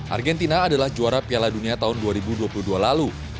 argentina adalah juara piala dunia tahun dua ribu dua puluh dua lalu